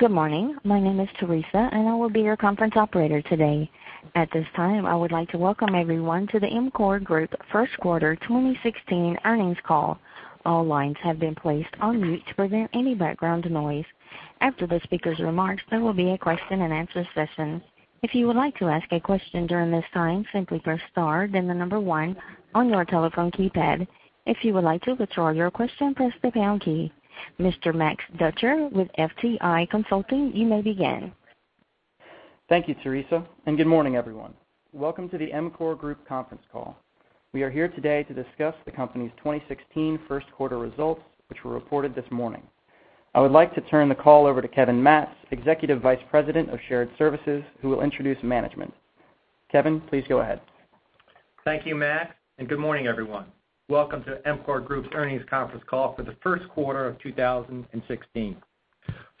Good morning. My name is Teresa, and I will be your conference operator today. At this time, I would like to welcome everyone to the EMCOR Group first quarter 2016 earnings call. All lines have been placed on mute to prevent any background noise. After the speaker's remarks, there will be a question and answer session. If you would like to ask a question during this time, simply press star, then the number one on your telephone keypad. If you would like to withdraw your question, press the pound key. Mr. Max Dutcher with FTI Consulting, you may begin. Thank you, Teresa. Good morning, everyone. Welcome to the EMCOR Group conference call. We are here today to discuss the company's 2016 first quarter results, which were reported this morning. I would like to turn the call over to Kevin Matz, Executive Vice President of Shared Services, who will introduce management. Kevin, please go ahead. Thank you, Max. Good morning, everyone. Welcome to EMCOR Group's earnings conference call for the first quarter of 2016.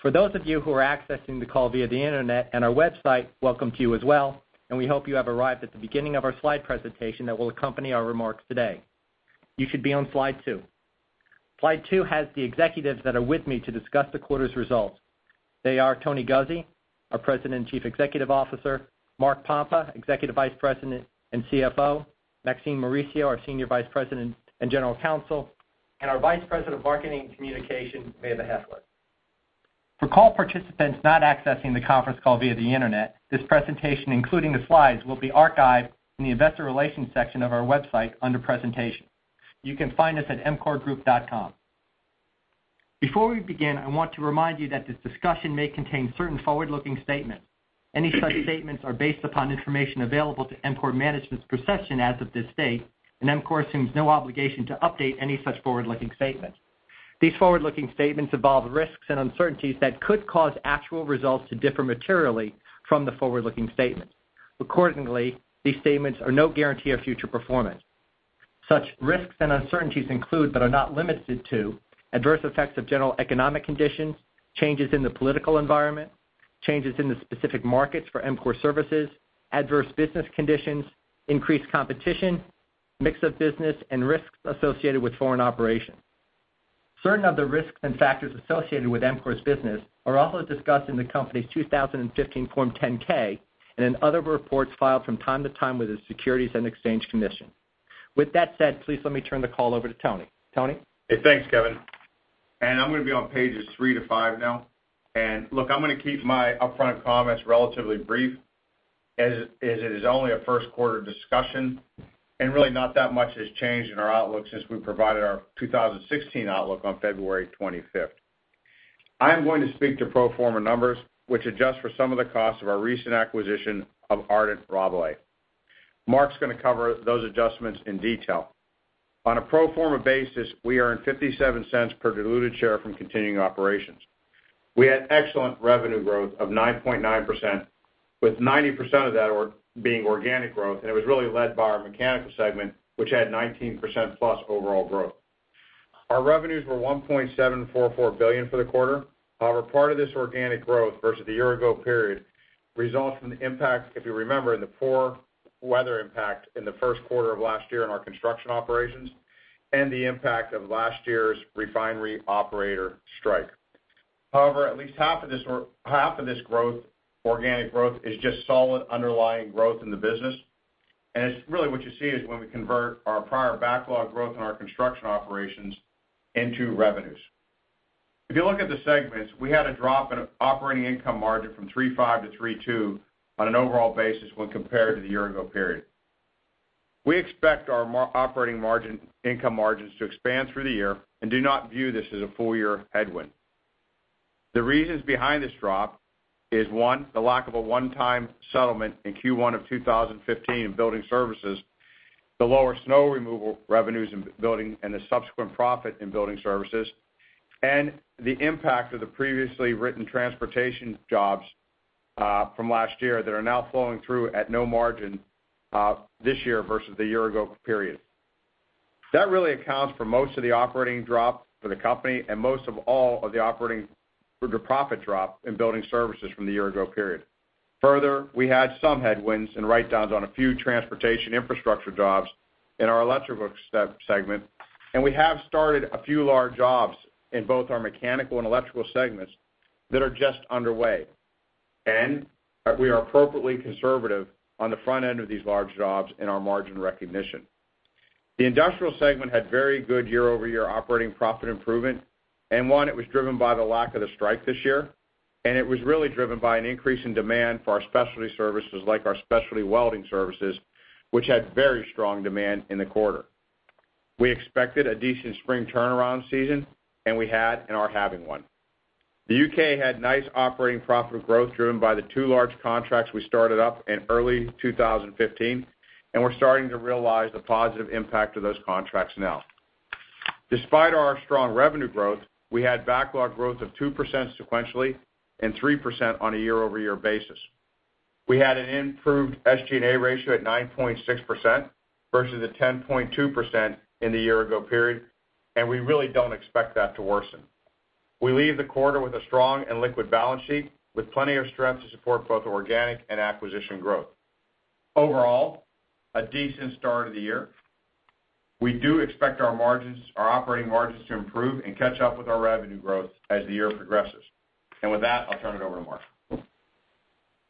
For those of you who are accessing the call via the internet and our website, welcome to you as well, and we hope you have arrived at the beginning of our slide presentation that will accompany our remarks today. You should be on slide two. Slide two has the executives that are with me to discuss the quarter's results. They are Tony Guzzi, our President and Chief Executive Officer, Mark Pompa, Executive Vice President and CFO, Maxine Mauricio, our Senior Vice President and General Counsel, and our Vice President of Marketing and Communications, Maja Handler. For call participants not accessing the conference call via the internet, this presentation, including the slides, will be archived in the investor relations section of our website under presentations. You can find us at emcorgroup.com. Before we begin, I want to remind you that this discussion may contain certain forward-looking statements. Any such statements are based upon information available to EMCOR management's perception as of this date, EMCOR assumes no obligation to update any such forward-looking statements. These forward-looking statements involve risks and uncertainties that could cause actual results to differ materially from the forward-looking statements. Accordingly, these statements are no guarantee of future performance. Such risks and uncertainties include, but are not limited to adverse effects of general economic conditions, changes in the political environment, changes in the specific markets for EMCOR services, adverse business conditions, increased competition, mix of business and risks associated with foreign operations. Certain of the risks and factors associated with EMCOR's business are also discussed in the company's 2015 Form 10-K and in other reports filed from time to time with the Securities and Exchange Commission. With that said, please let me turn the call over to Tony. Tony? Hey, thanks, Kevin. I'm going to be on pages three to five now. Look, I'm going to keep my upfront comments relatively brief, as it is only a first quarter discussion, and really not that much has changed in our outlook since we provided our 2016 outlook on February 25th. I am going to speak to pro forma numbers, which adjust for some of the costs of our recent acquisition of Ardent Services. Mark's going to cover those adjustments in detail. On a pro forma basis, we earned $0.57 per diluted share from continuing operations. We had excellent revenue growth of 9.9% with 90% of that being organic growth, and it was really led by our mechanical segment, which had 19% plus overall growth. Our revenues were $1.744 billion for the quarter. However, part of this organic growth versus the year ago period results from the impact, if you remember, the poor weather impact in the first quarter of last year in our construction operations and the impact of last year's refinery operator strike. However, at least half of this growth, organic growth, is just solid underlying growth in the business. It's really what you see is when we convert our prior backlog growth in our construction operations into revenues. If you look at the segments, we had a drop in operating income margin from 3.5% to 3.2% on an overall basis when compared to the year ago period. We expect our operating margin, income margins to expand through the year and do not view this as a full-year headwind. The reasons behind this drop is, one, the lack of a one-time settlement in Q1 of 2015 in building services, the lower snow removal revenues in building and the subsequent profit in building services, and the impact of the previously written transportation jobs from last year that are now flowing through at no margin this year versus the year ago period. That really accounts for most of the operating drop for the company and most of all of the operating profit drop in building services from the year ago period. Further, we had some headwinds and write-downs on a few transportation infrastructure jobs in our electrical segment, we have started a few large jobs in both our mechanical and electrical segments that are just underway. We are appropriately conservative on the front end of these large jobs in our margin recognition. The industrial segment had very good year-over-year operating profit improvement, and one, it was driven by the lack of the strike this year, and it was really driven by an increase in demand for our specialty services like our specialty welding services, which had very strong demand in the quarter. We expected a decent spring turnaround season, and we had and are having one. The U.K. had nice operating profit growth driven by the two large contracts we started up in early 2015, and we're starting to realize the positive impact of those contracts now. Despite our strong revenue growth, we had backlog growth of 2% sequentially and 3% on a year-over-year basis. We had an improved SG&A ratio at 9.6% versus the 10.2% in the year ago period, and we really don't expect that to worsen. We leave the quarter with a strong and liquid balance sheet with plenty of strength to support both organic and acquisition growth. Overall, a decent start of the year. We do expect our operating margins to improve and catch up with our revenue growth as the year progresses. With that, I'll turn it over to Mark.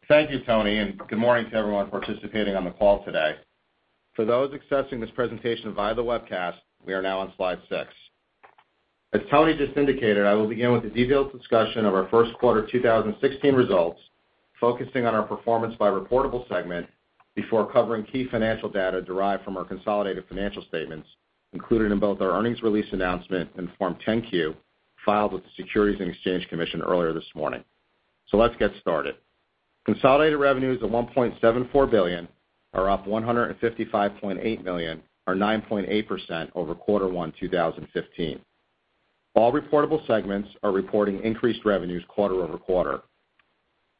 Thank you, Tony, and good morning to everyone participating on the call today. For those accessing this presentation via the webcast, we are now on slide six. As Tony just indicated, I will begin with a detailed discussion of our First quarter 2016 results, focusing on our performance by reportable segment before covering key financial data derived from our consolidated financial statements, included in both our earnings release announcement and Form 10-Q filed with the Securities and Exchange Commission earlier this morning. Let's get started. Consolidated revenues of $1.74 billion are up $155.8 million or 9.8% over quarter one 2015. All reportable segments are reporting increased revenues quarter-over-quarter.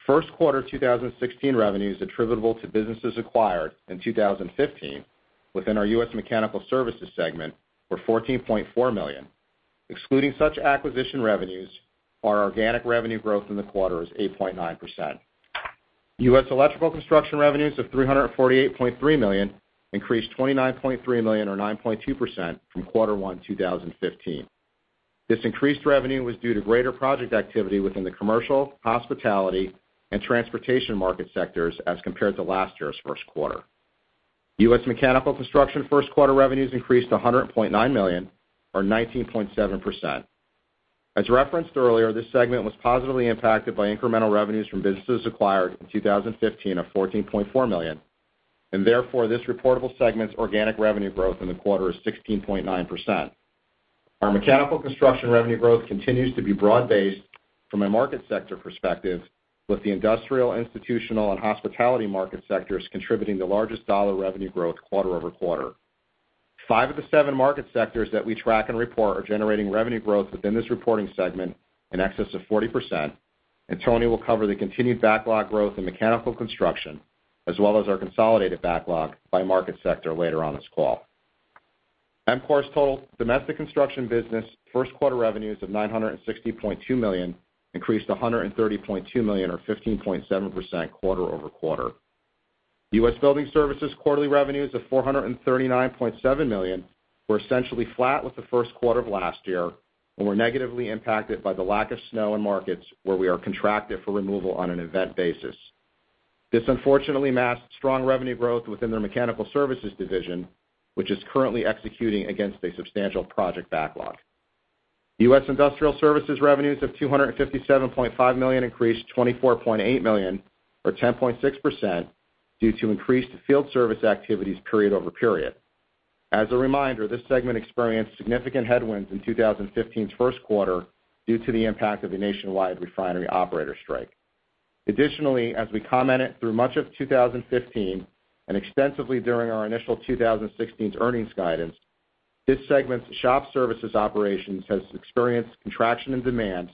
First quarter 2016 revenues attributable to businesses acquired in 2015 within our U.S. Mechanical Services segment were $14.4 million. Excluding such acquisition revenues, our organic revenue growth in the quarter is 8.9%. U.S. Electrical Construction revenues of $348.3 million increased $29.3 million or 9.2% from quarter one 2015. This increased revenue was due to greater project activity within the commercial, hospitality, and transportation market sectors as compared to last year's first quarter. U.S. Mechanical Construction first-quarter revenues increased to $100.9 million or 19.7%. As referenced earlier, this segment was positively impacted by incremental revenues from businesses acquired in 2015 of $14.4 million, therefore, this reportable segment's organic revenue growth in the quarter is 16.9%. Our mechanical construction revenue growth continues to be broad-based from a market sector perspective, with the industrial, institutional, and hospitality market sectors contributing the largest dollar revenue growth quarter-over-quarter. Five of the seven market sectors that we track and report are generating revenue growth within this reporting segment in excess of 40%. Tony will cover the continued backlog growth in Mechanical Construction, as well as our consolidated backlog by market sector later on this call. EMCOR's total domestic construction business first-quarter revenues of $960.2 million increased to $130.2 million or 15.7% quarter-over-quarter. U.S. Building Services quarterly revenues of $439.7 million were essentially flat with the first quarter of last year and were negatively impacted by the lack of snow in markets where we are contracted for removal on an event basis. This unfortunately masks strong revenue growth within their Mechanical Services division, which is currently executing against a substantial project backlog. U.S. Industrial Services revenues of $257.5 million increased $24.8 million or 10.6% due to increased field service activities period-over-period. As a reminder, this segment experienced significant headwinds in 2015's first quarter due to the impact of the nationwide refinery operator strike. As we commented through much of 2015 and extensively during our initial 2016's earnings guidance, this segment's shop services operations has experienced contraction and demand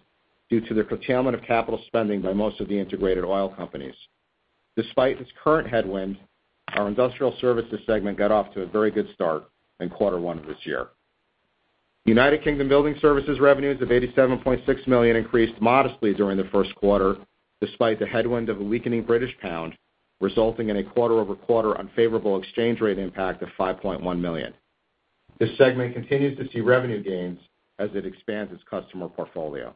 due to the curtailment of capital spending by most of the integrated oil companies. Despite this current headwind, our Industrial Services segment got off to a very good start in quarter one of this year. United Kingdom Building Services revenues of $87.6 million increased modestly during the first quarter, despite the headwind of a weakening British pound, resulting in a quarter-over-quarter unfavorable exchange rate impact of $5.1 million. This segment continues to see revenue gains as it expands its customer portfolio.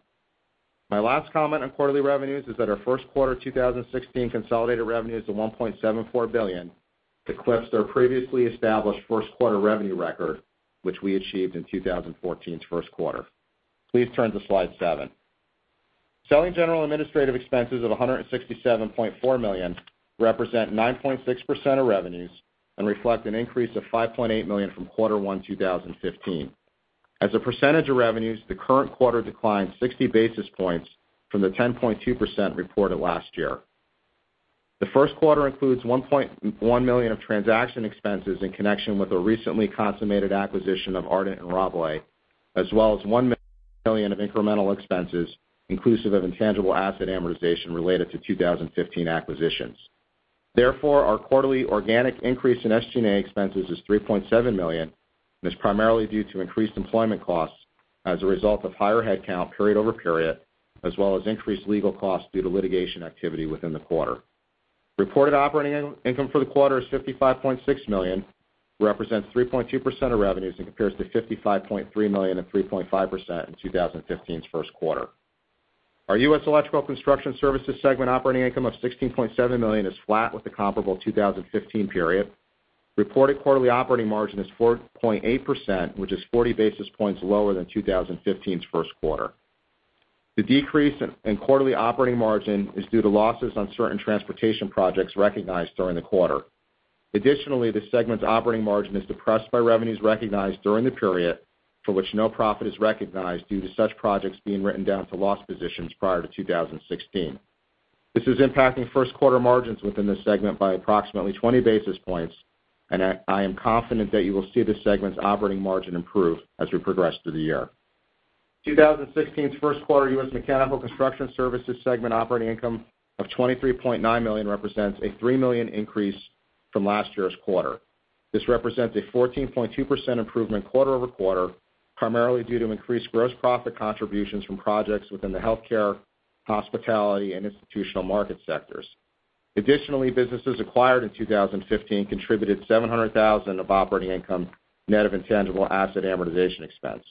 My last comment on quarterly revenues is that our first quarter 2016 consolidated revenues of $1.74 billion eclipsed our previously established first quarter revenue record, which we achieved in 2014's first quarter. Please turn to slide seven. Selling, general, and administrative expenses of $167.4 million represent 9.6% of revenues and reflect an increase of $5.8 million from quarter one 2015. As a percentage of revenues, the current quarter declined 60 basis points from the 10.2% reported last year. The first quarter includes $1.1 million of transaction expenses in connection with the recently consummated acquisition of Ardent and Rabalais, as well as $1 million of incremental expenses inclusive of intangible asset amortization related to 2015 acquisitions. Our quarterly organic increase in SG&A expenses is $3.7 million and is primarily due to increased employment costs as a result of higher headcount period-over-period, as well as increased legal costs due to litigation activity within the quarter. Reported operating income for the quarter is $55.6 million, represents 3.2% of revenues and compares to $55.3 million and 3.5% in 2015's first quarter. Our U.S. Electrical Construction Services segment operating income of $16.7 million is flat with the comparable 2015 period. Reported quarterly operating margin is 4.8%, which is 40 basis points lower than 2015's first quarter. The decrease in quarterly operating margin is due to losses on certain transportation projects recognized during the quarter. This segment's operating margin is depressed by revenues recognized during the period for which no profit is recognized due to such projects being written down to loss positions prior to 2016. This is impacting first-quarter margins within this segment by approximately 20 basis points, and I am confident that you will see this segment's operating margin improve as we progress through the year. 2016's first quarter U.S. Mechanical Construction Services segment operating income of $23.9 million represents a $3 million increase from last year's quarter. This represents a 14.2% improvement quarter-over-quarter, primarily due to increased gross profit contributions from projects within the healthcare, hospitality, and institutional market sectors. Additionally, businesses acquired in 2015 contributed $700,000 of operating income, net of intangible asset amortization expense.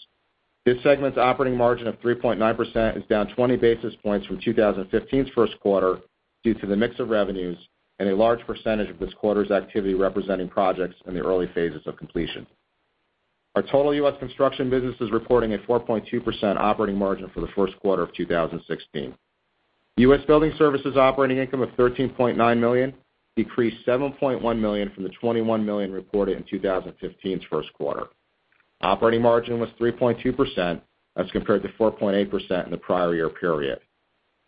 This segment's operating margin of 3.9% is down 20 basis points from 2015's first quarter due to the mix of revenues and a large percentage of this quarter's activity representing projects in the early phases of completion. Our total U.S. construction business is reporting a 4.2% operating margin for the first quarter of 2016. U.S. Building Services operating income of $13.9 million decreased $7.1 million from the $21 million reported in 2015's first quarter. Operating margin was 3.2%, as compared to 4.8% in the prior year period.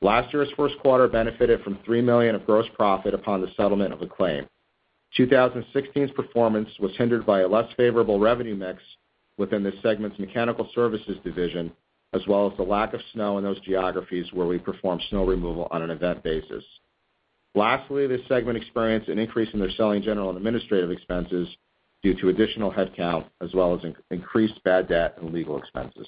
Last year's first quarter benefited from $3 million of gross profit upon the settlement of a claim. 2016's performance was hindered by a less favorable revenue mix within the segment's Mechanical Services division, as well as the lack of snow in those geographies where we perform snow removal on an event basis. Lastly, this segment experienced an increase in their selling general and administrative expenses due to additional headcount, as well as increased bad debt and legal expenses.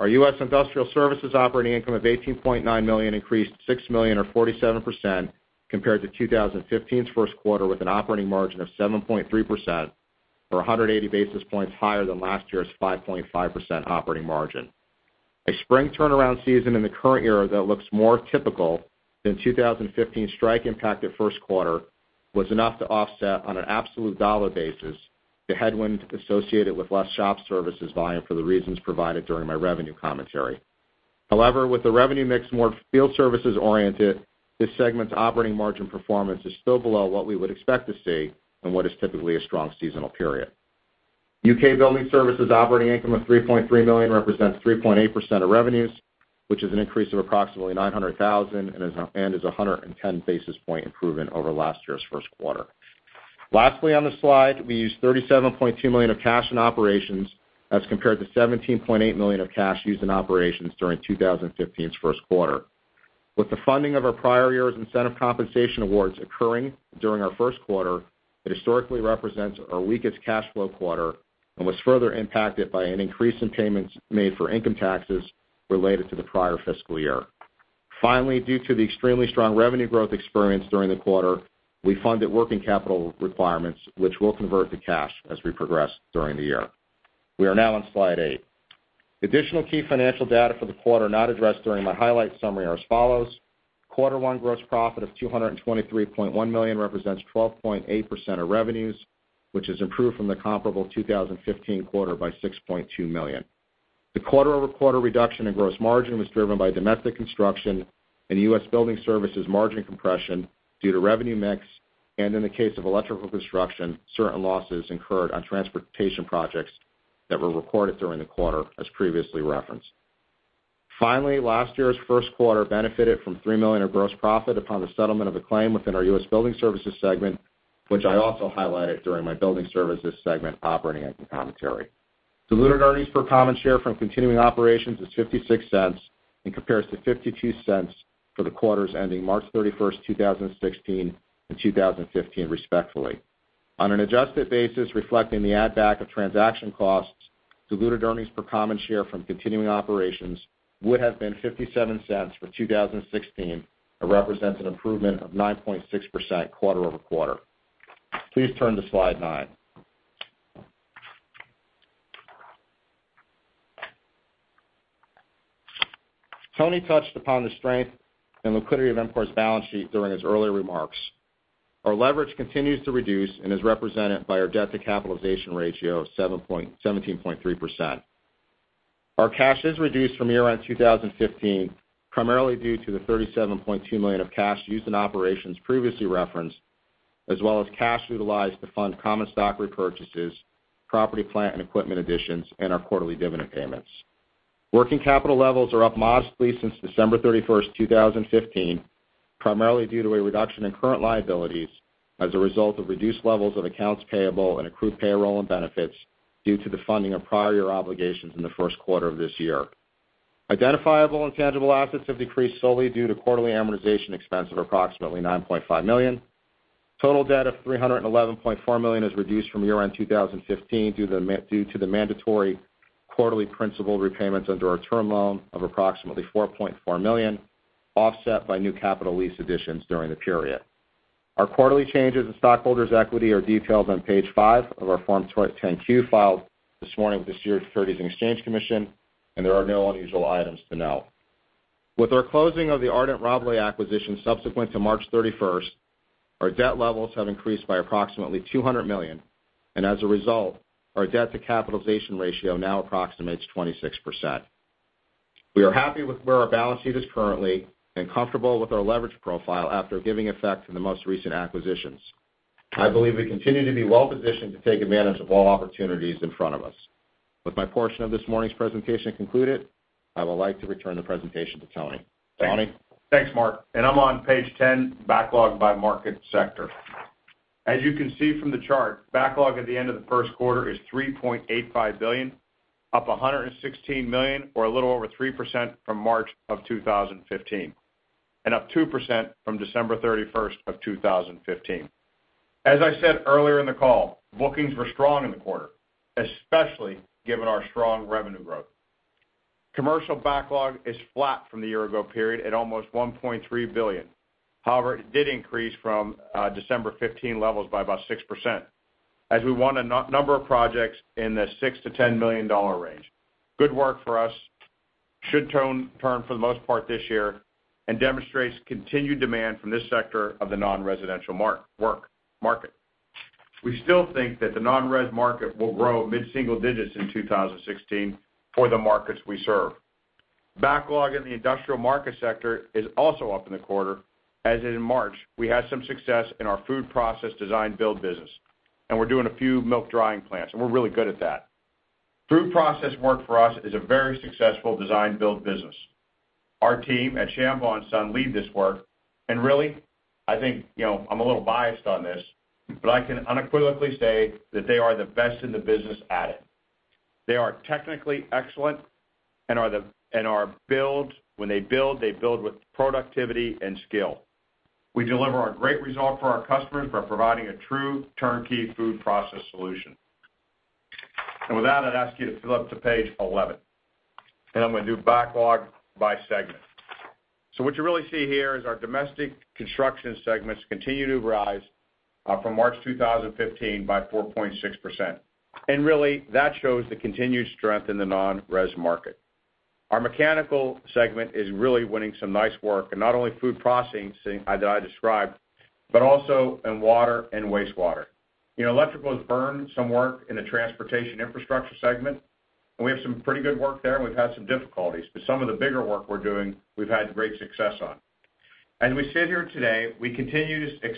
Our U.S. Industrial Services operating income of $18.9 million increased $6 million or 47%, compared to 2015's first quarter, with an operating margin of 7.3%, or 180 basis points higher than last year's 5.5% operating margin. A spring turnaround season in the current year that looks more typical than 2015's strike-impacted first quarter, was enough to offset on an absolute dollar basis, the headwind associated with less shop services volume for the reasons provided during my revenue commentary. However, with the revenue mix more field services oriented, this segment's operating margin performance is still below what we would expect to see in what is typically a strong seasonal period. U.K. Building Services operating income of 3.3 million represents 3.8% of revenues, which is an increase of approximately 900,000 and is 110 basis points improvement over last year's first quarter. Lastly, on this slide, we used $37.2 million of cash in operations as compared to $17.8 million of cash used in operations during 2015's first quarter. With the funding of our prior year's incentive compensation awards occurring during our first quarter, it historically represents our weakest cash flow quarter and was further impacted by an increase in payments made for income taxes related to the prior fiscal year. Finally, due to the extremely strong revenue growth experienced during the quarter, we funded working capital requirements, which will convert to cash as we progress during the year. We are now on slide eight. Additional key financial data for the quarter not addressed during my highlights summary are as follows. Quarter one gross profit of $223.1 million represents 12.8% of revenues, which has improved from the comparable 2015 quarter by $6.2 million. The quarter-over-quarter reduction in gross margin was driven by domestic construction and U.S. Building Services margin compression due to revenue mix, and in the case of electrical construction, certain losses incurred on transportation projects that were recorded during the quarter, as previously referenced. Finally, last year's first quarter benefited from $3 million of gross profit upon the settlement of a claim within our U.S. Building Services segment, which I also highlighted during my Building Services segment operating income commentary. Diluted earnings per common share from continuing operations is $0.56 and compares to $0.52 for the quarters ending March 31, 2016 and 2015, respectively. On an adjusted basis, reflecting the add back of transaction costs, diluted earnings per common share from continuing operations would have been $0.57 for 2016 and represents an improvement of 9.6% quarter-over-quarter. Please turn to slide nine. Tony touched upon the strength and liquidity of EMCOR's balance sheet during his earlier remarks. Our leverage continues to reduce and is represented by our debt to capitalization ratio of 17.3%. Our cash is reduced from year-end 2015, primarily due to the $37.2 million of cash used in operations previously referenced, as well as cash utilized to fund common stock repurchases, property, plant, and equipment additions, and our quarterly dividend payments. Working capital levels are up modestly since December 31, 2015, primarily due to a reduction in current liabilities as a result of reduced levels of accounts payable and accrued payroll and benefits due to the funding of prior year obligations in the first quarter of this year. Identifiable intangible assets have decreased solely due to quarterly amortization expense of approximately $9.5 million. Total debt of $311.4 million is reduced from year-end 2015 due to the mandatory quarterly principal repayments under our term loan of approximately $4.4 million, offset by new capital lease additions during the period. Our quarterly changes in stockholders' equity are detailed on page five of our Form 10-Q filed this morning with the Securities and Exchange Commission, and there are no unusual items to note. With our closing of the Ardent/Rabalais acquisition subsequent to March 31, our debt levels have increased by approximately $200 million, and as a result, our debt to capitalization ratio now approximates 26%. We are happy with where our balance sheet is currently and comfortable with our leverage profile after giving effect to the most recent acquisitions. I believe we continue to be well-positioned to take advantage of all opportunities in front of us. With my portion of this morning's presentation concluded, I would like to return the presentation to Tony. Tony? Thanks, Mark. I'm on page 10, backlog by market sector. As you can see from the chart, backlog at the end of the first quarter is $3.85 billion, up $116 million, or a little over 3% from March 2015, and up 2% from December 31, 2015. As I said earlier in the call, bookings were strong in the quarter, especially given our strong revenue growth. Commercial backlog is flat from the year-ago period at almost $1.3 billion. It did increase from December 2015 levels by about 6%, as we won a number of projects in the $6 million-$10 million range. Good work for us, should turn for the most part this year, and demonstrates continued demand from this sector of the non-residential work market. We still think that the non-res market will grow mid-single digits in 2016 for the markets we serve. Backlog in the industrial market sector is also up in the quarter, as in March, we had some success in our food process design build business, and we're doing a few milk drying plants, and we're really good at that. Food process work for us is a very successful design build business. Our team at Shambaugh & Son lead this work, really, I think I'm a little biased on this, but I can unequivocally say that they are the best in the business at it. They are technically excellent and when they build, they build with productivity and skill. We deliver a great result for our customers by providing a true turnkey food process solution. With that, I'd ask you to flip to page 11, and I'm going to do backlog by segment. What you really see here is our domestic construction segments continue to rise from March 2015 by 4.6%. Really, that shows the continued strength in the non-res market. Our mechanical segment is really winning some nice work, and not only food processing that I described, but also in water and wastewater. Electrical has burned some work in the transportation infrastructure segment, and we have some pretty good work there, and we've had some difficulties. Some of the bigger work we're doing, we've had great success on. As we sit here today, we continue to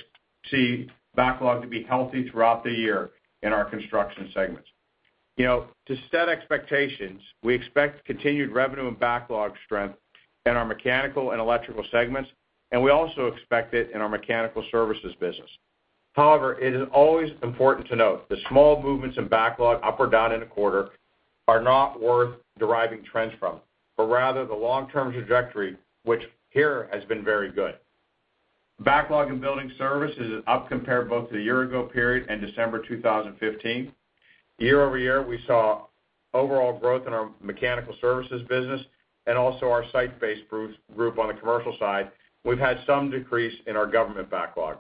see backlog to be healthy throughout the year in our construction segments. To set expectations, we expect continued revenue and backlog strength in our mechanical and electrical segments, and we also expect it in our mechanical services business. It is always important to note, the small movements in backlog up or down in a quarter are not worth deriving trends from, but rather the long-term trajectory, which here has been very good. Backlog in building services is up compared both to the year-ago period and December 2015. Year-over-year, we saw overall growth in our mechanical services business and also our site-based group on the commercial side. We've had some decrease in our government backlog.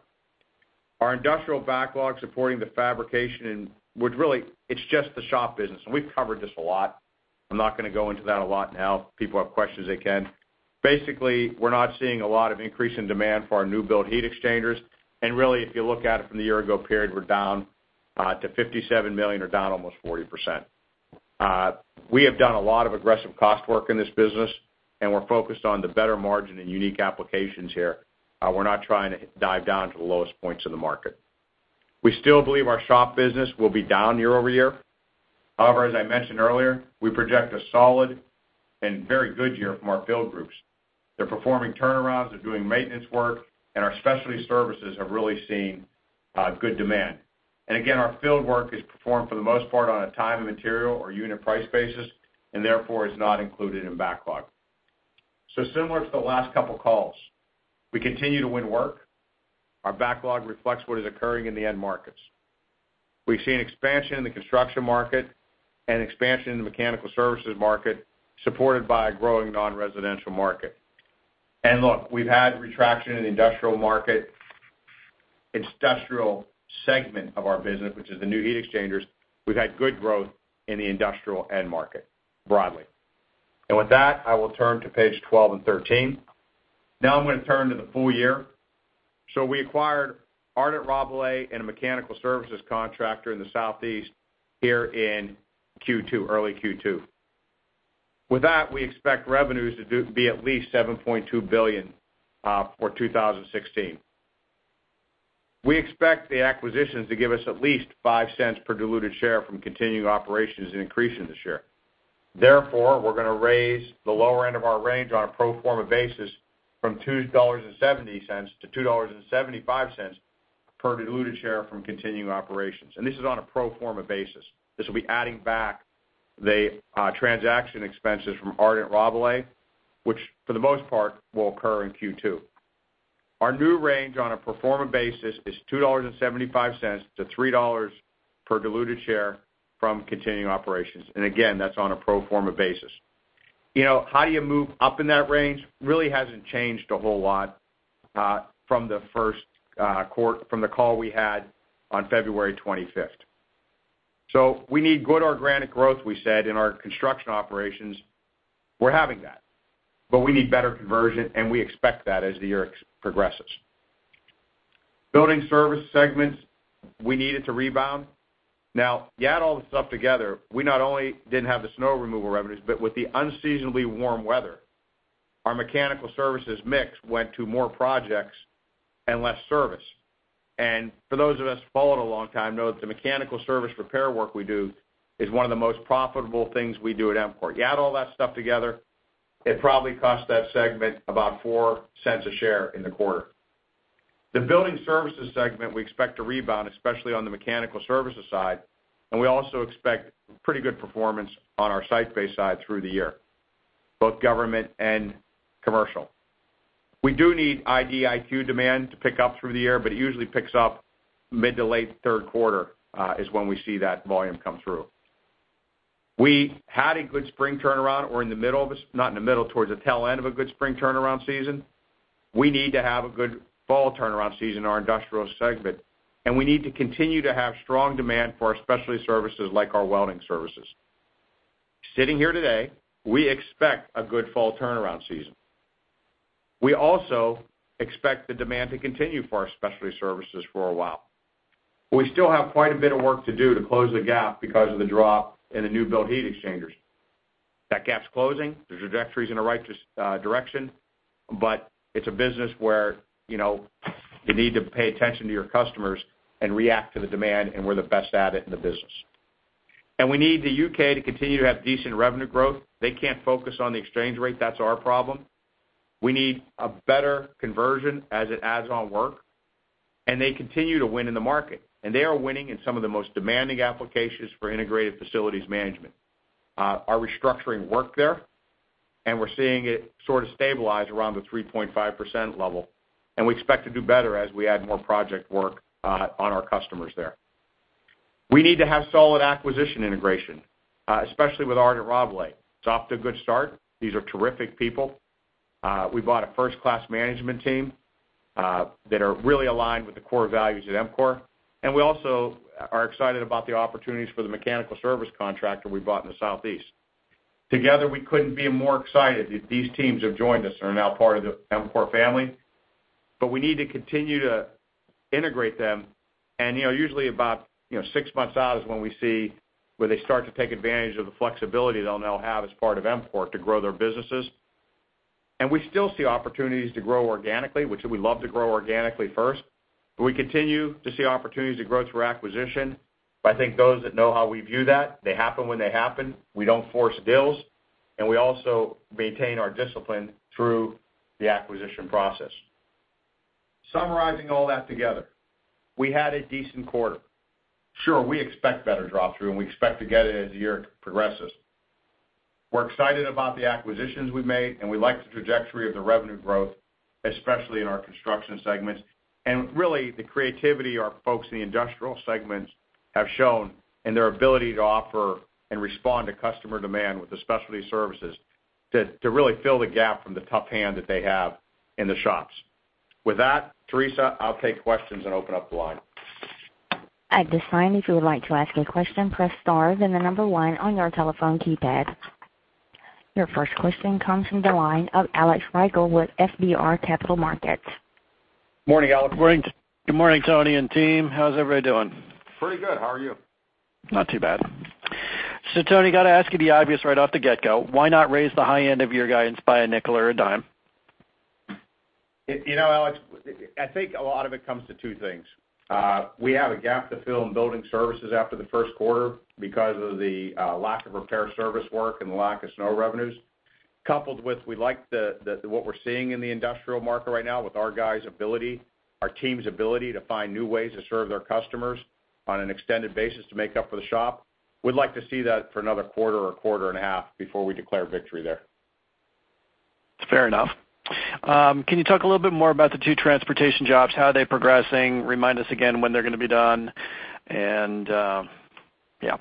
Our industrial backlog supporting the fabrication, which really it's just the shop business, and we've covered this a lot. I'm not going to go into that a lot now. If people have questions, they can. Basically, we're not seeing a lot of increase in demand for our new build heat exchangers. If you look at it from the year-ago period, we're down to $57 million or down almost 40%. We have done a lot of aggressive cost work in this business. We're focused on the better margin and unique applications here. We're not trying to dive down to the lowest points in the market. We still believe our shop business will be down year-over-year. However, as I mentioned earlier, we project a solid and very good year from our field groups. They're performing turnarounds, they're doing maintenance work, and our specialty services have really seen good demand. Again, our field work is performed for the most part on a time of material or unit price basis, and therefore is not included in backlog. Similar to the last couple of calls, we continue to win work. Our backlog reflects what is occurring in the end markets. We've seen expansion in the construction market and expansion in the mechanical services market, supported by a growing non-residential market. Look, we've had retraction in the industrial market, industrial segment of our business, which is the new heat exchangers. We've had good growth in the industrial end market broadly. With that, I will turn to page 12 and 13. I'm going to turn to the full year. We acquired Ardent Rabalais and a mechanical services contractor in the Southeast here in early Q2. With that, we expect revenues to be at least $7.2 billion for 2016. We expect the acquisitions to give us at least $0.05 per diluted share from continuing operations and increase in the share. We're going to raise the lower end of our range on a pro forma basis from $2.70-$2.75 per diluted share from continuing operations. This is on a pro forma basis. This will be adding back the transaction expenses from Ardent Rabalais, which for the most part will occur in Q2. Our new range on a pro forma basis is $2.75-$3 per diluted share from continuing operations. Again, that's on a pro forma basis. How do you move up in that range? Really hasn't changed a whole lot from the call we had on February 25th. We need good organic growth, we said, in our construction operations. We're having that. We need better conversion, and we expect that as the year progresses. Building service segments, we need it to rebound. You add all this stuff together, we not only didn't have the snow removal revenues, but with the unseasonably warm weather, our mechanical services mix went to more projects and less service. For those of us who followed a long time know that the mechanical service repair work we do is one of the most profitable things we do at EMCOR. You add all that stuff together, it probably cost that segment about $0.04 a share in the quarter. The building services segment we expect to rebound, especially on the mechanical services side, and we also expect pretty good performance on our site-based side through the year, both government and commercial. We do need IDIQ demand to pick up through the year, but it usually picks up mid to late third quarter is when we see that volume come through. We had a good spring turnaround. We're in the middle of a, not in the middle, towards the tail end of a good spring turnaround season. We need to have a good fall turnaround season in our industrial segment, and we need to continue to have strong demand for our specialty services like our welding services. Sitting here today, we expect a good fall turnaround season. We also expect the demand to continue for our specialty services for a while. We still have quite a bit of work to do to close the gap because of the drop in the new build heat exchangers. That gap's closing. The trajectory's in the right direction, but it's a business where you need to pay attention to your customers and react to the demand, and we're the best at it in the business. We need the U.K. to continue to have decent revenue growth. They can't focus on the exchange rate. That's our problem. We need a better conversion as it adds on work, and they continue to win in the market. They are winning in some of the most demanding applications for integrated facilities management. Our restructuring work there, and we're seeing it sort of stabilize around the 3.5% level, and we expect to do better as we add more project work on our customers there. We need to have solid acquisition integration, especially with Ardent and Rabalais. It's off to a good start. These are terrific people. We bought a first-class management team that are really aligned with the core values at EMCOR, and we also are excited about the opportunities for the mechanical service contractor we bought in the Southeast. Together, we couldn't be more excited that these teams have joined us and are now part of the EMCOR family, we need to continue to integrate them. Usually about six months out is when we see where they start to take advantage of the flexibility they'll now have as part of EMCOR to grow their businesses. We still see opportunities to grow organically, which we love to grow organically first, we continue to see opportunities to grow through acquisition. I think those that know how we view that, they happen when they happen. We don't force deals, and we also maintain our discipline through the acquisition process. Summarizing all that together, we had a decent quarter. Sure, we expect better drop-through, and we expect to get it as the year progresses. We're excited about the acquisitions we've made, and we like the trajectory of the revenue growth, especially in our construction segments. Really, the creativity our folks in the industrial segments have shown in their ability to offer and respond to customer demand with the specialty services to really fill the gap from the tough hand that they have in the shops. With that, Teresa, I'll take questions and open up the line. At this time, if you would like to ask a question, press star, then the number one on your telephone keypad. Your first question comes from the line of Alex Rygiel with FBR & Co.. Morning, Alex. Morning. Good morning, Tony and team. How's everybody doing? Pretty good. How are you? Tony, got to ask you the obvious right off the get-go. Why not raise the high end of your guidance by a nickel or a dime? Alex, I think a lot of it comes to two things. We have a gap to fill in building services after the first quarter because of the lack of repair service work and the lack of snow revenues. Coupled with we like what we're seeing in the industrial market right now with our guys' ability, our team's ability to find new ways to serve their customers on an extended basis to make up for the shop. We'd like to see that for another quarter or quarter and a half before we declare victory there. It's fair enough. Can you talk a little bit more about the two transportation jobs, how they're progressing? Remind us again when they're going to be done. Yeah.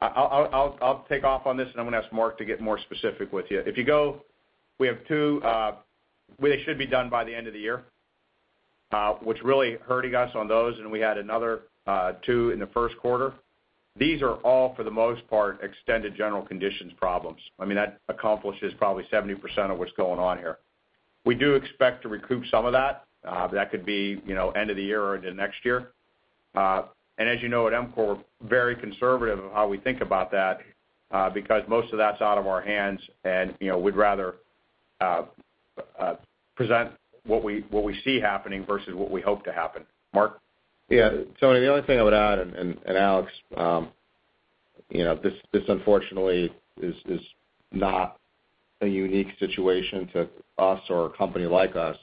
I'll take off on this, and I'm going to ask Mark to get more specific with you. If you go, we have two, they should be done by the end of the year, what's really hurting us on those, and we had another two in the first quarter. These are all, for the most part, extended general conditions problems. I mean, that accomplishes probably 70% of what's going on here. We do expect to recoup some of that. That could be end of the year or into next year. As you know, at EMCOR, we're very conservative of how we think about that, because most of that's out of our hands and we'd rather present what we see happening versus what we hope to happen. Mark? Yeah. Tony, the only thing I would add, Alex, this unfortunately is not a unique situation to us or a company like us.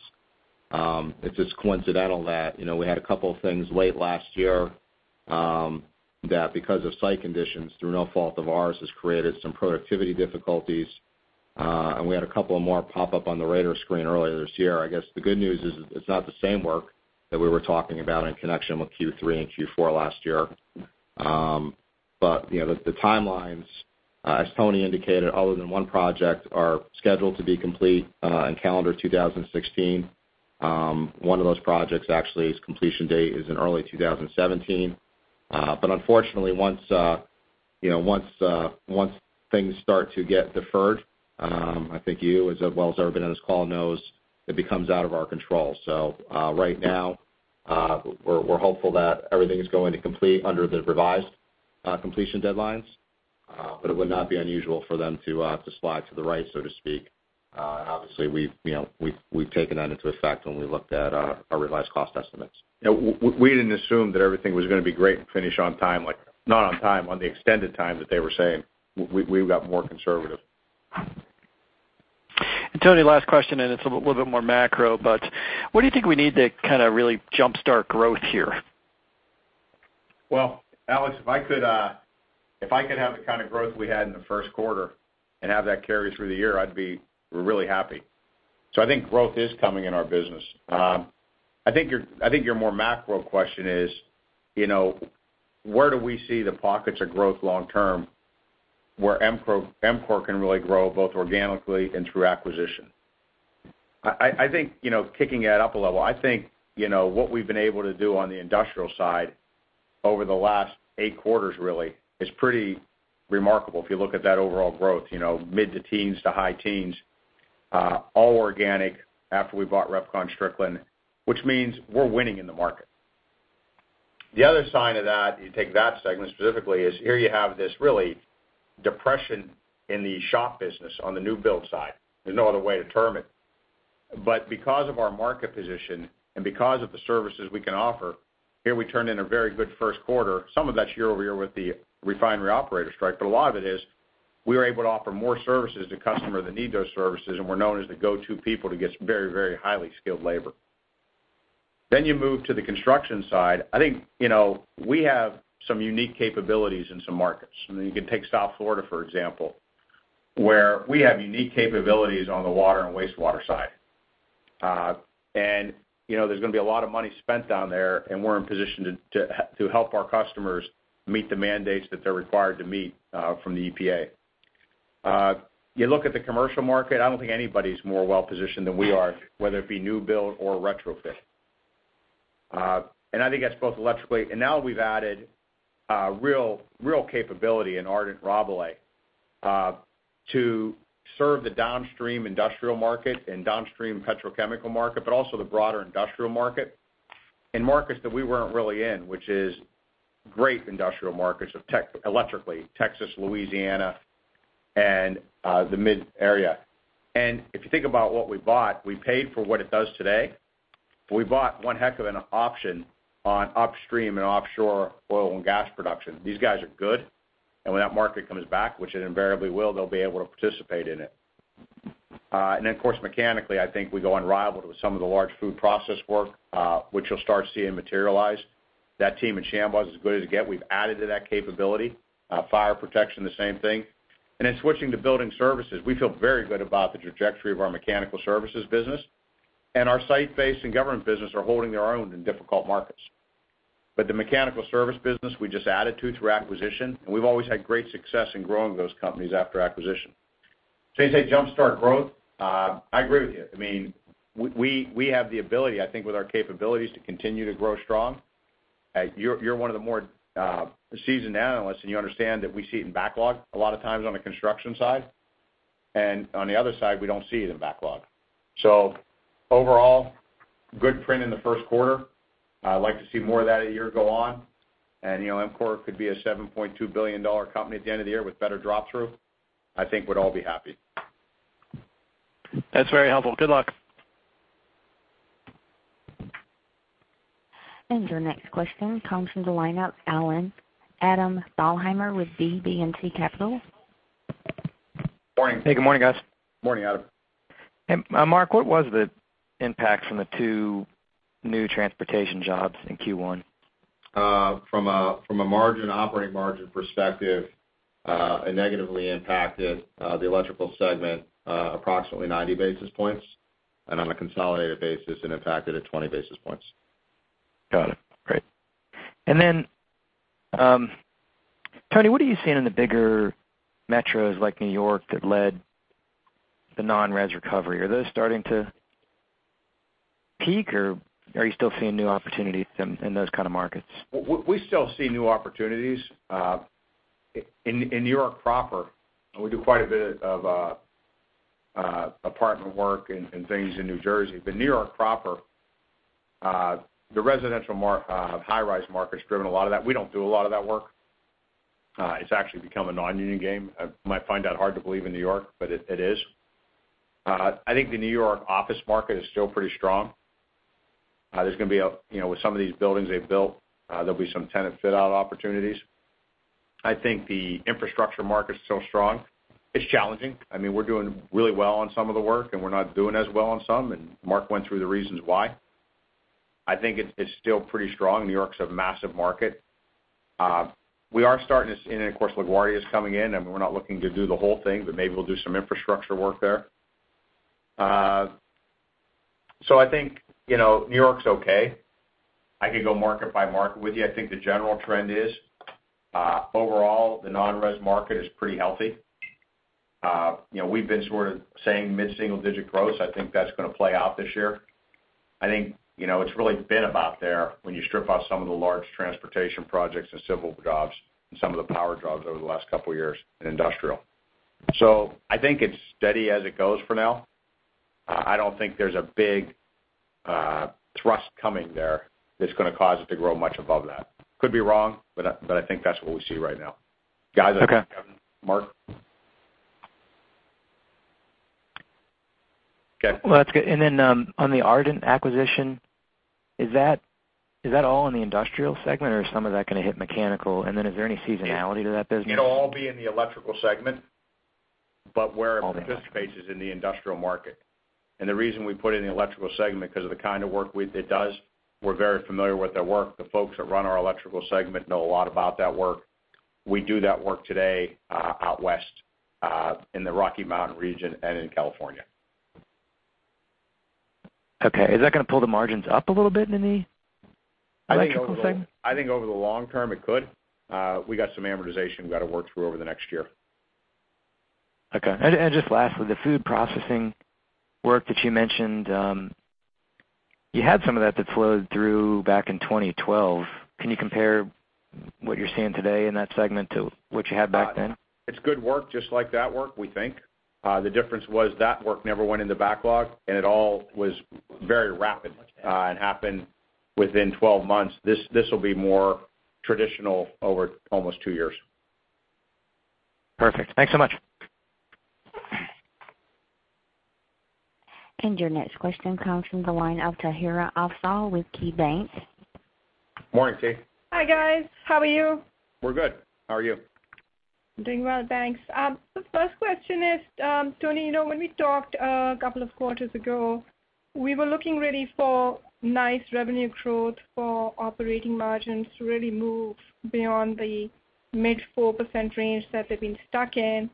It's just coincidental that we had a couple of things late last year, that because of site conditions, through no fault of ours, has created some productivity difficulties. We had a couple of more pop up on the radar screen earlier this year. I guess the good news is it's not the same work that we were talking about in connection with Q3 and Q4 last year. The timelines, as Tony indicated, other than one project, are scheduled to be complete in calendar 2016. One of those projects actually, its completion date is in early 2017. Unfortunately, once things start to get deferred, I think you, as well as everyone on this call knows, it becomes out of our control. Right now, we're hopeful that everything is going to complete under the revised completion deadlines. It would not be unusual for them to slide to the right, so to speak. Obviously, we've taken that into effect when we looked at our revised cost estimates. We didn't assume that everything was going to be great and finish on time, like not on time, on the extended time that they were saying. We got more conservative. Tony, last question, and it's a little bit more macro, but what do you think we need to kind of really jumpstart growth here? Well, Alex, if I could have the kind of growth we had in the first quarter and have that carry through the year, I'd be really happy. I think growth is coming in our business. I think your more macro question is, where do we see the pockets of growth long term where EMCOR can really grow both organically and through acquisition? Kicking it up a level, I think, what we've been able to do on the industrial side over the last 8 quarters really is pretty remarkable if you look at that overall growth. Mid to teens to high teens, all organic after we bought Repcon Strickland, which means we're winning in the market. The other sign of that, you take that segment specifically, is here you have this really depression in the shop business on the new build side. There's no other way to term it. Because of our market position and because of the services we can offer, here we turn in a very good first quarter. Some of that's year-over-year with the refinery operator strike, but a lot of it is we were able to offer more services to customer that need those services, and we're known as the go-to people to get some very highly skilled labor. You move to the construction side. I think, we have some unique capabilities in some markets. You can take South Florida, for example, where we have unique capabilities on the water and wastewater side. There's going to be a lot of money spent down there, and we're in position to help our customers meet the mandates that they're required to meet from the EPA. You look at the commercial market, I don't think anybody's more well-positioned than we are, whether it be new build or retrofit. I think that's both electrically. Now we've added real capability in Ardent Rabalais to serve the downstream industrial market and downstream petrochemical market, but also the broader industrial market. In markets that we weren't really in, which is great industrial markets electrically, Texas, Louisiana, and the mid area. If you think about what we bought, we paid for what it does today. We bought one heck of an option on upstream and offshore oil and gas production. These guys are good, and when that market comes back, which it invariably will, they'll be able to participate in it. Of course, mechanically, I think we go unrivaled with some of the large food process work, which you'll start seeing materialize. That team in Shambaugh is as good as it gets. We've added to that capability. Fire protection, the same thing. In switching to building services, we feel very good about the trajectory of our mechanical services business. Our site-based and government business are holding their own in difficult markets. The mechanical service business, we just added to through acquisition, and we've always had great success in growing those companies after acquisition. You say jumpstart growth. I agree with you. We have the ability, I think, with our capabilities, to continue to grow strong. You're one of the more seasoned analysts, and you understand that we see it in backlog a lot of times on the construction side. On the other side, we don't see it in backlog. Overall, good print in the first quarter. I'd like to see more of that a year go on. EMCOR could be a $7.2 billion company at the end of the year with better drop-through, I think we'd all be happy. That's very helpful. Good luck. Your next question comes from the line of Adam Thalhimer with BB&T Capital. Morning. Hey, good morning, guys. Morning, Adam. Mark, what was the impact from the two new transportation jobs in Q1? From an operating margin perspective, it negatively impacted the electrical segment approximately 90 basis points, on a consolidated basis, it impacted it 20 basis points. Got it. Great. Tony, what are you seeing in the bigger metros like New York that led the non-res recovery? Are those starting to peak, or are you still seeing new opportunities in those kind of markets? We still see new opportunities. In New York proper, we do quite a bit of apartment work and things in New Jersey. New York proper, the residential high-rise market's driven a lot of that. We don't do a lot of that work. It's actually become a non-union game. You might find that hard to believe in New York, but it is. I think the New York office market is still pretty strong. With some of these buildings they've built, there'll be some tenant fit-out opportunities. I think the infrastructure market's still strong. It's challenging. We're doing really well on some of the work, and we're not doing as well on some, and Mark went through the reasons why. I think it's still pretty strong. New York's a massive market. Of course LaGuardia is coming in, and we're not looking to do the whole thing, but maybe we'll do some infrastructure work there. I think New York's okay. I could go market by market with you. I think the general trend is overall the non-res market is pretty healthy. We've been sort of saying mid-single digit growth. I think that's going to play out this year. I think it's really been about there when you strip out some of the large transportation projects and civil jobs and some of the power jobs over the last couple of years in industrial. I think it's steady as it goes for now. I don't think there's a big thrust coming there that's going to cause it to grow much above that. Could be wrong, but I think that's what we see right now. Okay. Mark? Okay. Well, that's good. On the Ardent acquisition, is that all in the industrial segment or is some of that going to hit mechanical? Is there any seasonality to that business? It'll all be in the electrical segment. Where it participates is in the industrial market. The reason we put it in the electrical segment, because of the kind of work it does, we're very familiar with their work. The folks that run our electrical segment know a lot about that work. We do that work today out west, in the Rocky Mountain region and in California. Okay. Is that going to pull the margins up a little bit in the electrical segment? I think over the long term it could. We got some amortization we've got to work through over the next year. Okay. Just lastly, the food processing work that you mentioned, you had some of that that flowed through back in 2012. Can you compare what you're seeing today in that segment to what you had back then? It's good work, just like that work, we think. The difference was that work never went into backlog, and it all was very rapid, and happened within 12 months. This will be more traditional over almost two years. Perfect. Thanks so much. Your next question comes from the line of Tahira Afzal with KeyBanc. Morning, T. Hi, guys. How are you? We're good. How are you? I'm doing well, thanks. The first question is, Tony, when we talked a couple of quarters ago, we were looking really for nice revenue growth for operating margins to really move beyond the mid 4% range that they've been stuck in.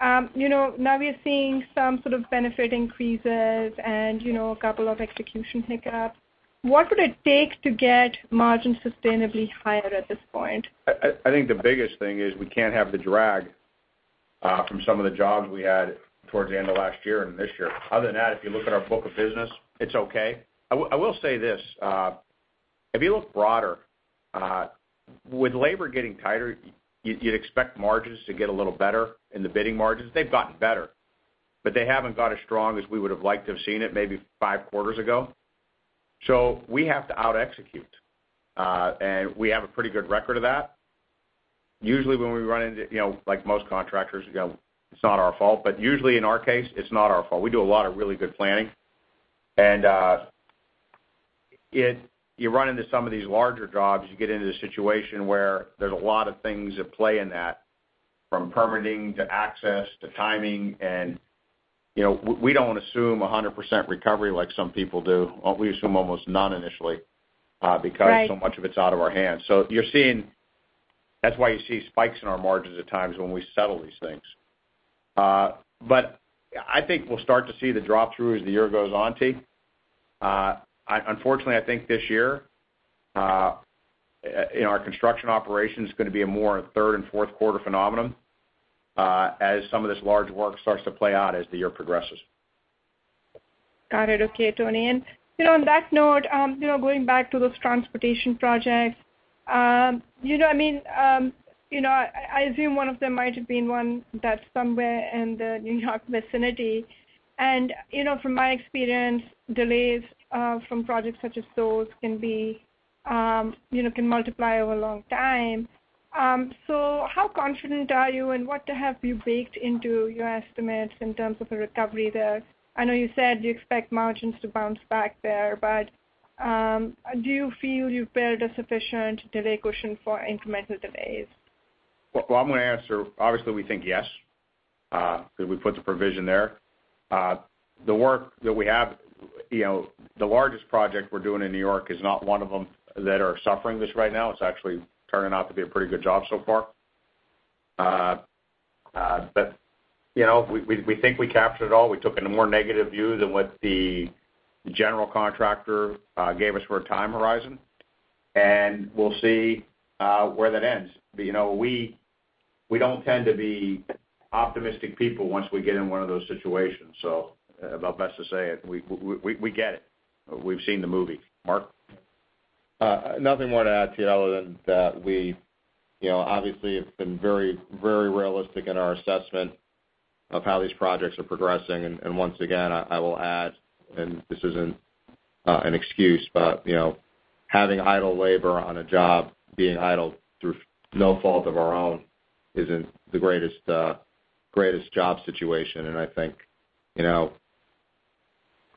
Now we're seeing some sort of benefit increases and a couple of execution hiccups. What would it take to get margins sustainably higher at this point? I think the biggest thing is we can't have the drag from some of the jobs we had towards the end of last year and this year. Other than that, if you look at our book of business, it's okay. I will say this, if you look broader, with labor getting tighter, you'd expect margins to get a little better in the bidding margins. They've gotten better, but they haven't got as strong as we would have liked to have seen it maybe five quarters ago. We have to out execute. We have a pretty good record of that. Usually when we run into, like most contractors, it's not our fault, but usually in our case, it's not our fault. We do a lot of really good planning. You run into some of these larger jobs, you get into the situation where there's a lot of things at play in that, from permitting to access to timing, and we don't assume 100% recovery like some people do. We assume almost none initially. Right because so much of it's out of our hands. That's why you see spikes in our margins at times when we settle these things. I think we'll start to see the drop-through as the year goes on, T. Unfortunately, I think this year, in our construction operation, it's going to be a more third and fourth quarter phenomenon, as some of this large work starts to play out as the year progresses. Got it. Okay, Tony. On that note, going back to those transportation projects, I assume one of them might have been one that's somewhere in the New York vicinity. From my experience, delays from projects such as those can multiply over a long time. How confident are you, and what have you baked into your estimates in terms of the recovery there? I know you said you expect margins to bounce back there, but, do you feel you've built a sufficient delay cushion for incremental delays? Well, I'm going to answer, obviously, we think yes, because we put the provision there. The work that we have, the largest project we're doing in New York is not one of them that are suffering this right now. It's actually turning out to be a pretty good job so far. We think we captured it all. We took in a more negative view than what the general contractor gave us for a time horizon, and we'll see where that ends. We don't tend to be optimistic people once we get in one of those situations. About best to say it, we get it. We've seen the movie. Mark? Nothing more to add, T, other than that we obviously have been very realistic in our assessment of how these projects are progressing, and once again, I will add, and this isn't an excuse, but having idle labor on a job, being idled through no fault of our own isn't the greatest job situation, and I think,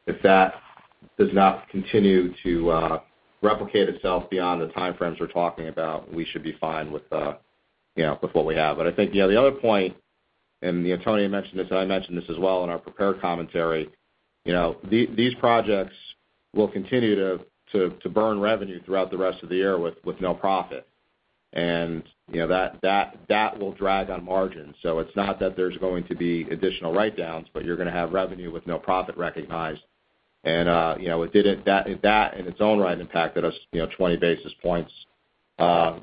if that does not continue to replicate itself beyond the time frames we're talking about, we should be fine with what we have. I think the other point, and Tony mentioned this, and I mentioned this as well in our prepared commentary, these projects will continue to burn revenue throughout the rest of the year with no profit. That will drag on margins. It's not that there's going to be additional write-downs, but you're going to have revenue with no profit recognized. That in its own right impacted us 20 basis points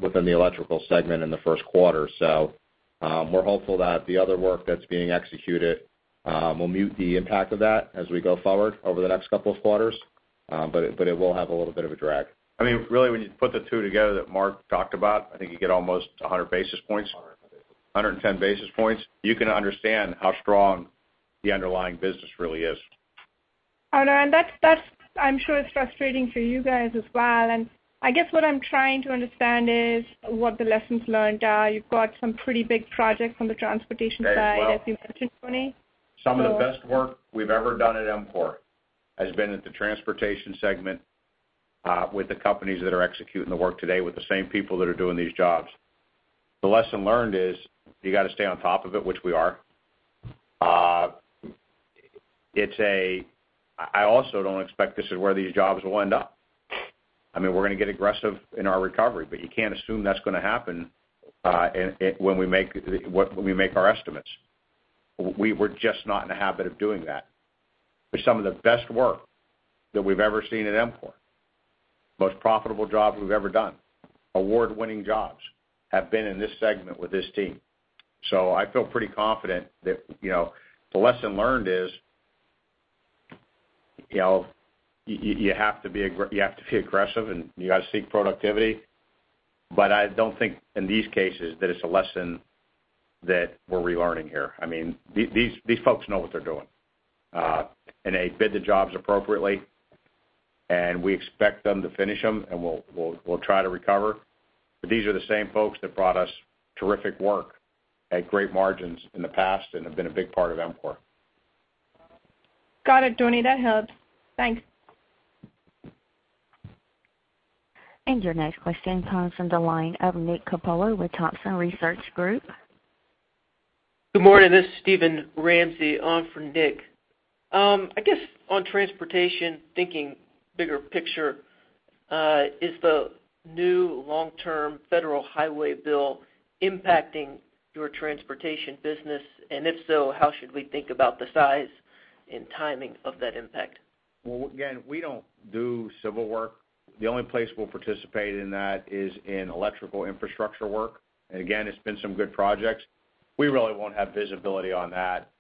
within the electrical segment in the first quarter. We're hopeful that the other work that's being executed will mute the impact of that as we go forward over the next couple of quarters. It will have a little bit of a drag. I mean, really, when you put the two together that Mark talked about, I think you get almost 100 basis points. 110 basis points. You can understand how strong the underlying business really is. I know, that I'm sure is frustrating for you guys as well. I guess what I'm trying to understand is what the lessons learned are. You've got some pretty big projects on the transportation side, as you mentioned, Tony. Some of the best work we've ever done at EMCOR has been at the transportation segment. With the companies that are executing the work today, with the same people that are doing these jobs. The lesson learned is you got to stay on top of it, which we are. I also don't expect this is where these jobs will end up. We're going to get aggressive in our recovery, you can't assume that's going to happen when we make our estimates. We're just not in the habit of doing that. Some of the best work that we've ever seen at EMCOR, most profitable jobs we've ever done, award-winning jobs, have been in this segment with this team. I feel pretty confident that the lesson learned is you have to be aggressive, and you got to seek productivity. I don't think in these cases that it's a lesson that we're relearning here. These folks know what they're doing. They bid the jobs appropriately, and we expect them to finish them, and we'll try to recover. These are the same folks that brought us terrific work at great margins in the past and have been a big part of EMCOR. Got it, Tony. That helps. Thanks. Your next question comes from the line of Nick Capuano with Thompson Research Group. Good morning, this is Steven Ramsey on from Nick. On transportation, thinking bigger picture, is the new long-term federal highway bill impacting your transportation business? If so, how should we think about the size and timing of that impact? Well, again, we don't do civil work. The only place we'll participate in that is in electrical infrastructure work. Again, it's been some good projects. We really won't have visibility on that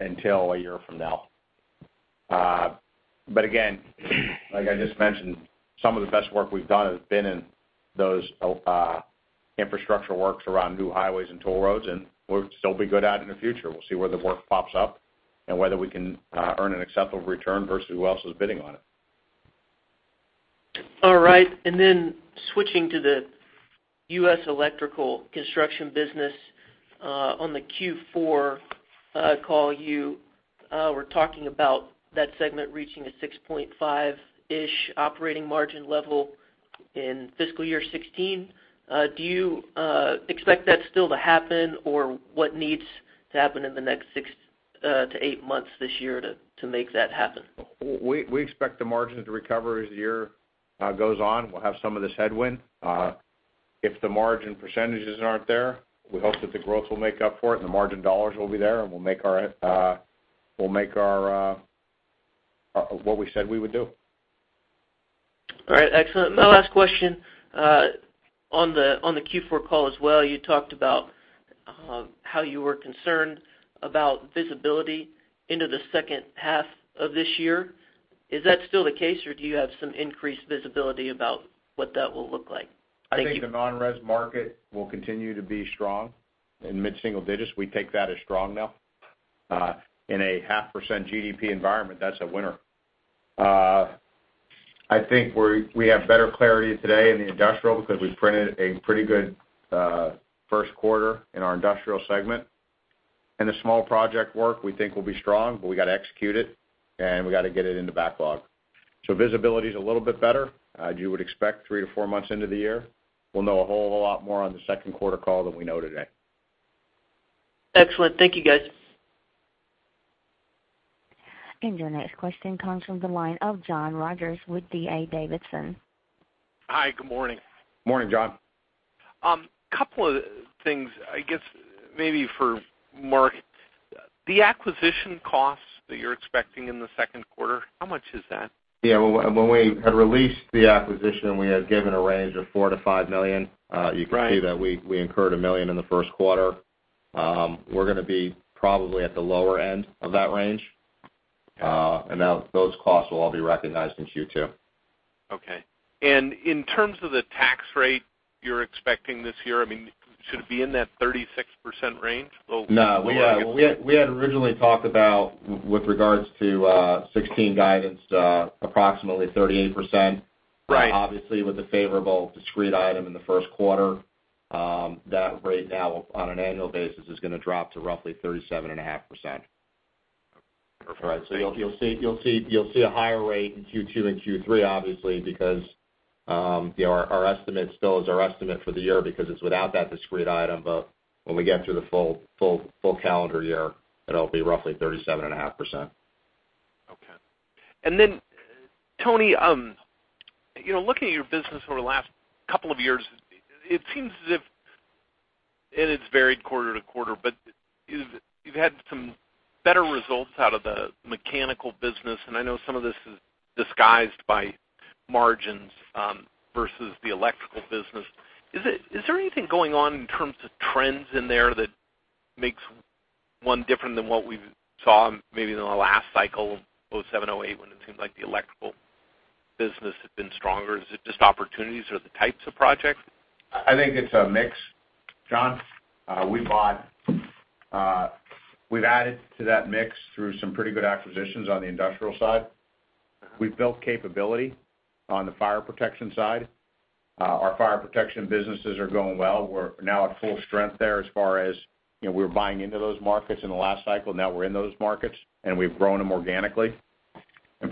until a year from now. Again, like I just mentioned, some of the best work we've done has been in those infrastructure works around new highways and toll roads, and we'll still be good at in the future. We'll see where the work pops up and whether we can earn an acceptable return versus who else is bidding on it. All right. Switching to the U.S. Electrical Construction business. On the Q4 call, you were talking about that segment reaching a 6.5-ish operating margin level in fiscal year 2016. Do you expect that still to happen, or what needs to happen in the next six to eight months this year to make that happen? We expect the margin to recover as the year goes on. We'll have some of this headwind. If the margin percentages aren't there, we hope that the growth will make up for it and the margin dollars will be there, and we'll make what we said we would do. All right, excellent. My last question. On the Q4 call as well, you talked about how you were concerned about visibility into the second half of this year. Is that still the case, or do you have some increased visibility about what that will look like? Thank you. I think the non-res market will continue to be strong in mid-single digits. We take that as strong now. In a half percent GDP environment, that's a winner. I think we have better clarity today in the industrial because we printed a pretty good first quarter in our industrial segment. The small project work we think will be strong, but we got to execute it, and we got to get it into backlog. Visibility is a little bit better, as you would expect 3 to 4 months into the year. We'll know a whole lot more on the second quarter call than we know today. Excellent. Thank you, guys. Your next question comes from the line of John Rogers with D.A. Davidson. Hi, good morning. Morning, John. Couple of things, maybe for Mark. The acquisition costs that you're expecting in the second quarter, how much is that? Yeah, when we had released the acquisition, we had given a range of $4 million-$5 million. Right. You can see that we incurred $1 million in the first quarter. We're going to be probably at the lower end of that range. Those costs will all be recognized in Q2. Okay. In terms of the tax rate you're expecting this year, should it be in that 36% range? No. We had originally talked about, with regards to 2016 guidance, approximately 38%. Right. Obviously, with a favorable discrete item in the first quarter, that rate now on an annual basis is going to drop to roughly 37.5%. Perfect. You'll see a higher rate in Q2 and Q3, obviously, because our estimate still is our estimate for the year because it's without that discrete item. When we get through the full calendar year, it'll be roughly 37.5%. Okay. Tony, looking at your business over the last couple of years, it seems as if it has varied quarter-to-quarter, but you've had some better results out of the mechanical business, and I know some of this is disguised by margins versus the electrical business. Is there anything going on in terms of trends in there that makes one different than what we saw maybe in the last cycle, 2007, 2008, when it seemed like the electrical business had been stronger? Is it just opportunities or the types of projects? I think it's a mix, John. We've added to that mix through some pretty good acquisitions on the industrial side. We've built capability on the fire protection side. Our fire protection businesses are going well. We're now at full strength there as far as we're buying into those markets in the last cycle, now we're in those markets, and we've grown them organically.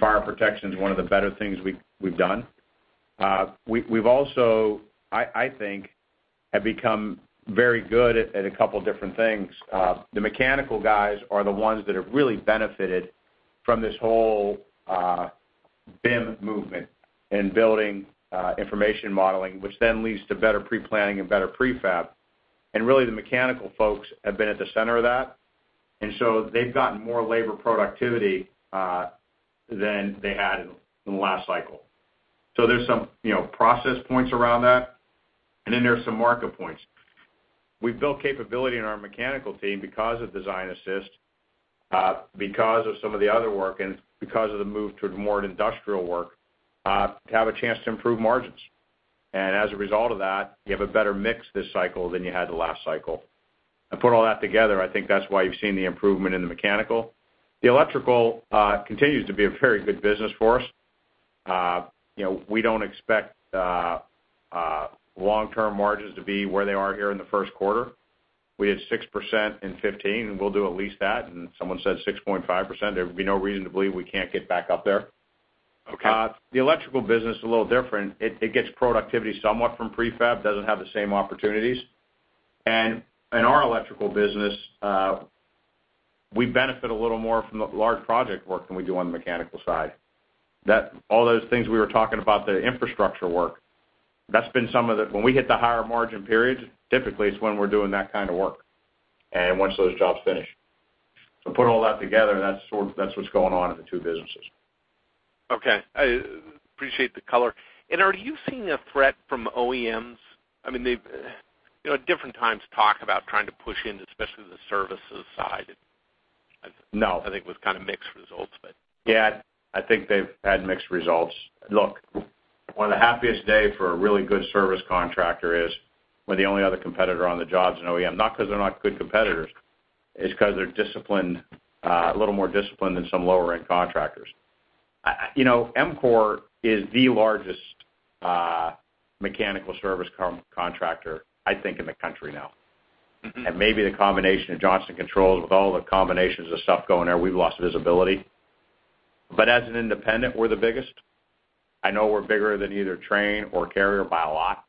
Fire protection is one of the better things we've done. We've also, I think, have become very good at a couple different things. The mechanical guys are the ones that have really benefited from this whole BIM movement in building information modeling, which then leads to better pre-planning and better pre-fab. Really, the mechanical folks have been at the center of that. They've gotten more labor productivity than they had in the last cycle. There's some process points around that. There are some market points. We've built capability in our mechanical team because of design assist, because of some of the other work, and because of the move toward more industrial work, to have a chance to improve margins. As a result of that, you have a better mix this cycle than you had the last cycle. Put all that together, I think that's why you've seen the improvement in the mechanical. The electrical continues to be a very good business for us. We don't expect long-term margins to be where they are here in the first quarter. We had 6% in 2015, and we'll do at least that. Someone said 6.5%. There would be no reason to believe we can't get back up there. Okay. The electrical business is a little different. It gets productivity somewhat from pre-fab, doesn't have the same opportunities. In our electrical business, we benefit a little more from the large project work than we do on the mechanical side. All those things we were talking about, the infrastructure work, when we hit the higher margin periods, typically it's when we're doing that kind of work and once those jobs finish. Put all that together, that's what's going on in the two businesses. Okay. Appreciate the color. Are you seeing a threat from OEMs? At different times, talk about trying to push in, especially to the services side. No. I think with kind of mixed results. Yeah, I think they've had mixed results. Look, one of the happiest day for a really good service contractor is when the only other competitor on the job is an OEM, not because they're not good competitors, it's because they're a little more disciplined than some lower-end contractors. EMCOR is the largest mechanical service contractor, I think, in the country now. Maybe the combination of Johnson Controls with all the combinations of stuff going there, we've lost visibility. As an independent, we're the biggest. I know we're bigger than either Trane or Carrier by a lot.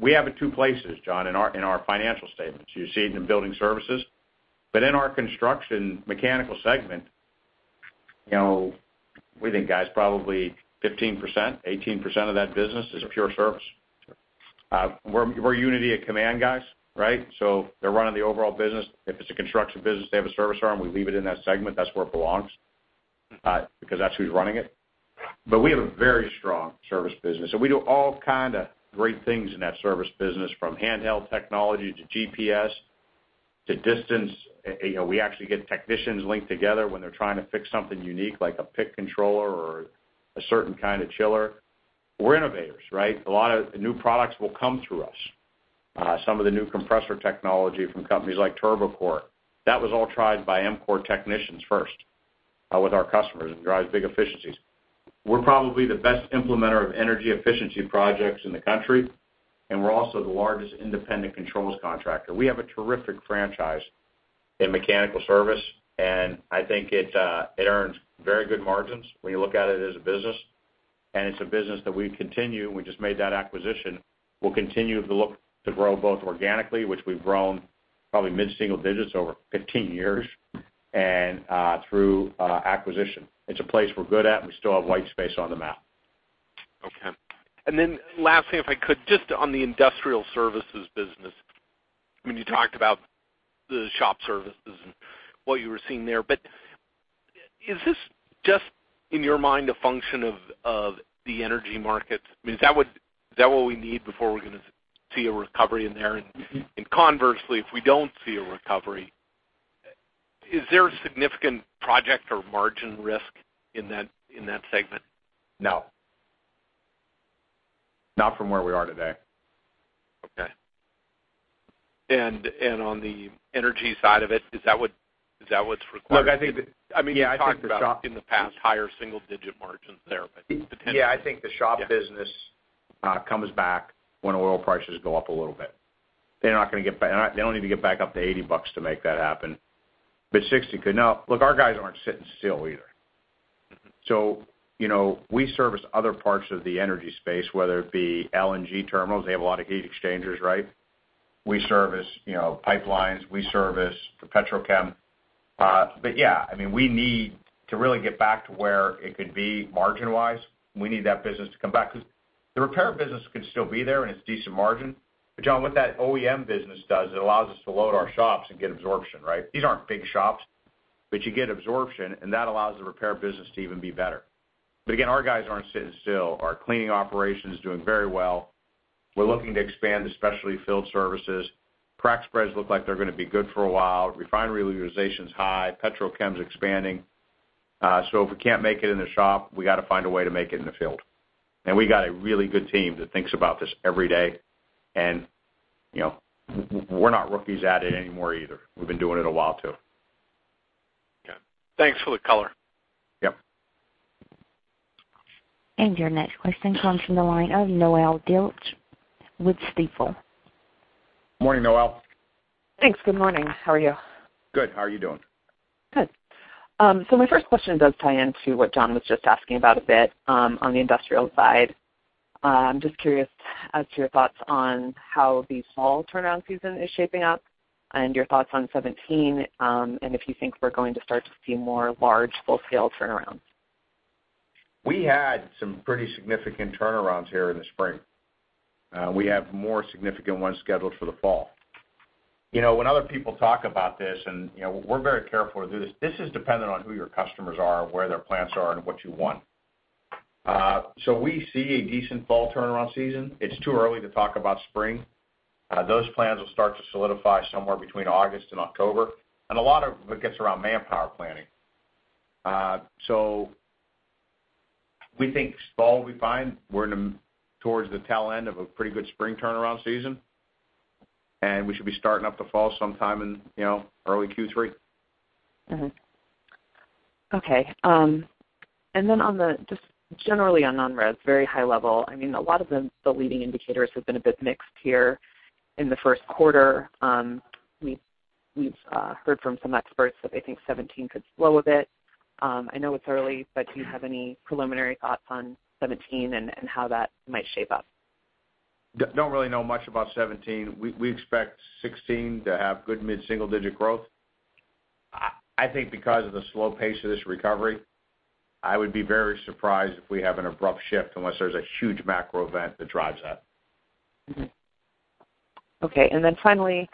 We have it two places, John, in our financial statements. You see it in building services. In our construction mechanical segment, we think, guys, probably 15%-18% of that business is pure service. Sure. We're unity of command guys. They're running the overall business. If it's a construction business, they have a service arm, we leave it in that segment. That's where it belongs because that's who's running it. We have a very strong service business, and we do all kinda great things in that service business, from handheld technology to GPS to distance. We actually get technicians linked together when they're trying to fix something unique, like a PLC controller or a certain kind of chiller. We're innovators. A lot of new products will come through us. Some of the new compressor technology from companies like Turbocor, that was all tried by EMCOR technicians first with our customers. It drives big efficiencies. We're probably the best implementer of energy efficiency projects in the country, and we're also the largest independent controls contractor. We have a terrific franchise in mechanical service, I think it earns very good margins when you look at it as a business. It's a business that we continue, we just made that acquisition. We'll continue to look to grow both organically, which we've grown probably mid-single digits over 15 years, and through acquisition. It's a place we're good at, and we still have white space on the map. Okay. Last thing, if I could, just on the industrial services business. You talked about the shop services and what you were seeing there, is this just, in your mind, a function of the energy markets? Is that what we need before we're going to see a recovery in there? Conversely, if we don't see a recovery, is there a significant project or margin risk in that segment? No. Not from where we are today. Okay. On the energy side of it, is that what's required? Look, I think that. You talked about in the past higher single-digit margins there, the 10. Yeah, I think the shop business comes back when oil prices go up a little bit. They don't need to get back up to $80 to make that happen. $60 could. Look, our guys aren't sitting still either. We service other parts of the energy space, whether it be LNG terminals, they have a lot of heat exchangers. We service pipelines, we service the petrochem. Yeah, we need to really get back to where it could be margin-wise. We need that business to come back because the repair business could still be there, and it's decent margin. John, what that OEM business does, it allows us to load our shops and get absorption. These aren't big shops, but you get absorption, and that allows the repair business to even be better. Again, our guys aren't sitting still. Our cleaning operation is doing very well. We're looking to expand the specialty field services. Crack spreads look like they're going to be good for a while. Refinery utilization's high. Petrochem's expanding. If we can't make it in the shop, we got to find a way to make it in the field, and we got a really good team that thinks about this every day, and we're not rookies at it anymore either. We've been doing it a while, too. Thanks for the color. Yep. Your next question comes from the line of Noelle Dilts with Stifel. Morning, Noelle. Thanks. Good morning. How are you? Good. How are you doing? Good. My first question does tie into what John was just asking about a bit, on the industrial side. I'm just curious as to your thoughts on how the fall turnaround season is shaping up and your thoughts on 2017, and if you think we're going to start to see more large full-scale turnarounds. We had some pretty significant turnarounds here in the spring. We have more significant ones scheduled for the fall. When other people talk about this, and we are very careful with this is dependent on who your customers are, where their plants are, and what you want. We see a decent fall turnaround season. It is too early to talk about spring. Those plans will start to solidify somewhere between August and October, and a lot of it gets around manpower planning. We think fall will be fine. We are towards the tail end of a pretty good spring turnaround season, and we should be starting up the fall sometime in early Q3. Okay. Just generally on non-res, very high level, a lot of the leading indicators have been a bit mixed here in the first quarter. We have heard from some experts that they think 2017 could slow a bit. I know it is early, but do you have any preliminary thoughts on 2017 and how that might shape up? Do not really know much about 2017. We expect 2016 to have good mid-single digit growth. I think because of the slow pace of this recovery, I would be very surprised if we have an abrupt shift unless there is a huge macro event that drives that. Okay. Finally,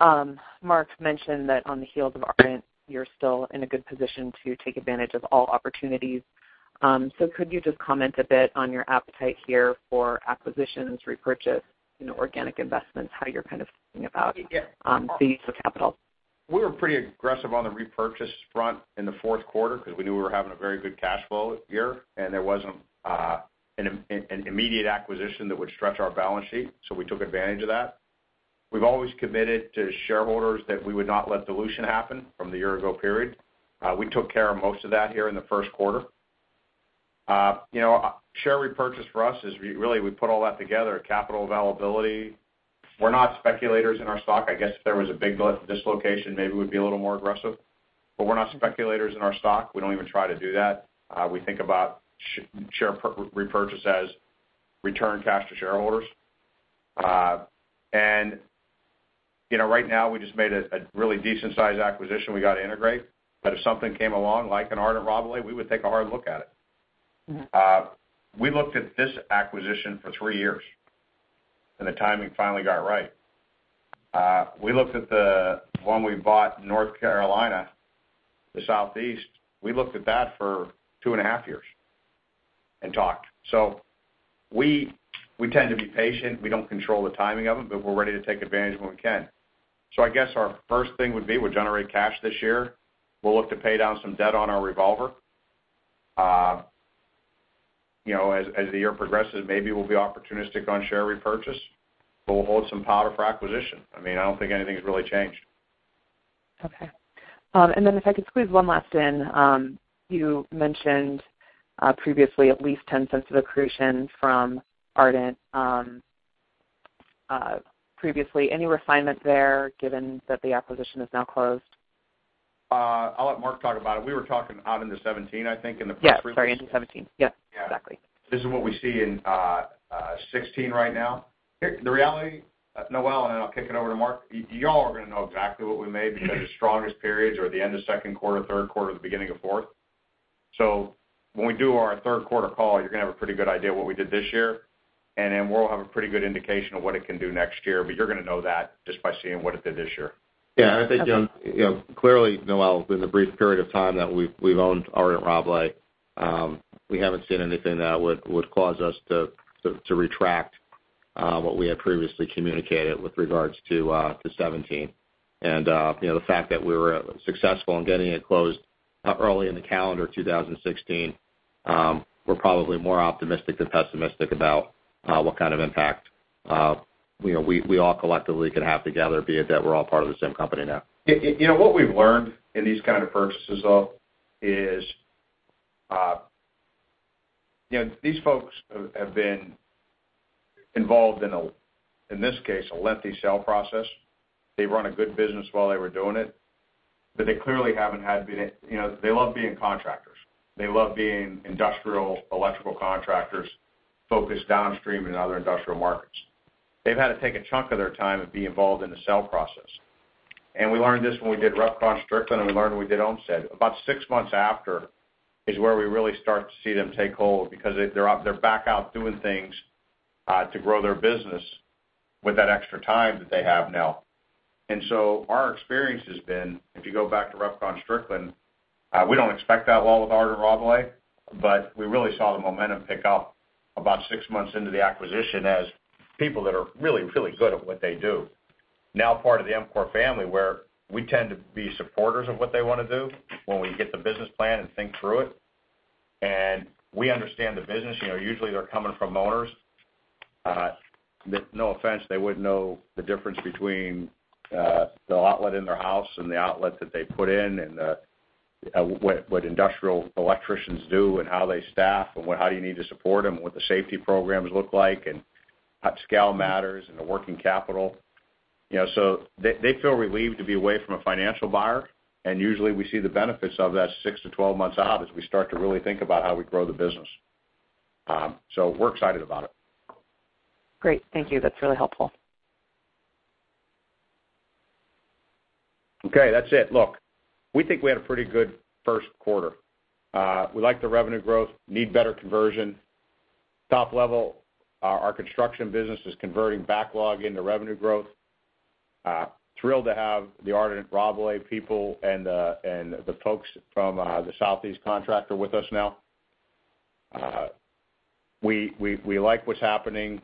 Mark mentioned that on the heels of Ardent, you are still in a good position to take advantage of all opportunities. Could you just comment a bit on your appetite here for acquisitions, repurchase, organic investments, how you are kind of thinking about the use of capital? We were pretty aggressive on the repurchase front in the fourth quarter because we knew we were having a very good cash flow year, and there wasn't an immediate acquisition that would stretch our balance sheet, so we took advantage of that. We've always committed to shareholders that we would not let dilution happen from the year-ago period. We took care of most of that here in the first quarter. Share repurchase for us is, really, we put all that together, capital availability. We're not speculators in our stock. I guess if there was a big dislocation, maybe we'd be a little more aggressive. We're not speculators in our stock. We don't even try to do that. We think about share repurchase as return cash to shareholders. Right now, we just made a really decent sized acquisition we got to integrate. If something came along, like an Ardent Rabalais, we would take a hard look at it. We looked at this acquisition for three years, and the timing finally got right. We looked at the one we bought in North Carolina, the Southeast. We looked at that for two and a half years and talked. We tend to be patient. We don't control the timing of them, but we're ready to take advantage when we can. I guess our first thing would be, we'll generate cash this year. We'll look to pay down some debt on our revolver. As the year progresses, maybe we'll be opportunistic on share repurchase. We'll hold some powder for acquisition. I don't think anything's really changed. Okay. Then if I could squeeze one last in. You mentioned previously at least $0.10 of accretion from Ardent, previously. Any refinement there, given that the acquisition is now closed? I'll let Mark talk about it. We were talking out into 2017, I think, in the press release. Yeah. Sorry, into 2017. Yep. Yeah. Exactly. This is what we see in 2016 right now. The reality, Noelle, I'll kick it over to Mark. You all are going to know exactly what we made because the strongest periods are the end of second quarter, third quarter, the beginning of fourth. When we do our third quarter call, you're going to have a pretty good idea what we did this year, we'll have a pretty good indication of what it can do next year. You're going to know that just by seeing what it did this year. Okay. Yeah, I think, clearly, Noelle, within the brief period of time that we've owned Ardent Rabalais, we haven't seen anything that would cause us to retract what we had previously communicated with regards to 2017. The fact that we were successful in getting it closed early in the calendar 2016, we're probably more optimistic than pessimistic about what kind of impact we all collectively could have together, be it that we're all part of the same company now. What we've learned in these kind of purchases, though, is these folks have been involved in this case, a lengthy sale process. They've run a good business while they were doing it. They love being contractors. They love being industrial electrical contractors focused downstream in other industrial markets. They've had to take a chunk of their time and be involved in the sale process. We learned this when we did Repcon Strickland, and we learned when we did Ohmstede. About six months after is where we really start to see them take hold because they're back out doing things to grow their business with that extra time that they have now. Our experience has been, if you go back to Repcon Strickland, we don't expect that well with Ardent Rabalais, but we really saw the momentum pick up about six months into the acquisition as people that are really, really good at what they do, now part of the EMCOR family, where we tend to be supporters of what they want to do when we get the business plan and think through it. We understand the business. Usually, they're coming from owners, that no offense, they wouldn't know the difference between the outlet in their house and the outlet that they put in, and what industrial electricians do and how they staff, and how do you need to support them, and what the safety programs look like, and scale matters and the working capital. They feel relieved to be away from a financial buyer, and usually, we see the benefits of that 6-12 months out as we start to really think about how we grow the business. We're excited about it. Great. Thank you. That's really helpful. Okay. That's it. Look, we think we had a pretty good first quarter. We like the revenue growth, need better conversion. Top level, our construction business is converting backlog into revenue growth. Thrilled to have the Ardent Rabalais people and the folks from the Southeast contractor with us now. We like what's happening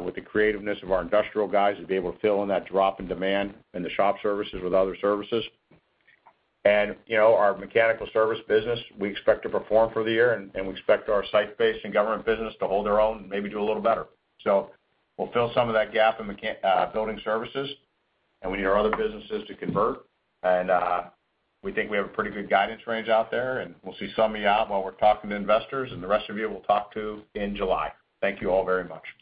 with the creativeness of our industrial guys to be able to fill in that drop in demand in the shop services with other services. Our mechanical service business, we expect to perform for the year, and we expect our site-based and government business to hold their own and maybe do a little better. We'll fill some of that gap in building services, and we need our other businesses to convert. We think we have a pretty good guidance range out there, and we'll see some of you out while we're talking to investors, and the rest of you, we'll talk to in July. Thank you all very much.